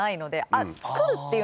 あっ